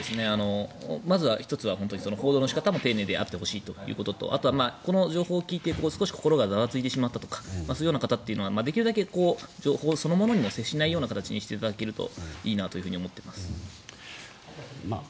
まずは１つは本当に報道の仕方も丁寧であってほしいということとあとはこの情報を聞いて、少し心がざわついてしまったりとかそういうような方はできるだけ情報そのものにも接さないようにしていただけるといいかなと思います。